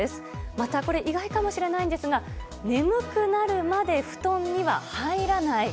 また、意外かもしれないんですが眠くなるまで布団には入らない。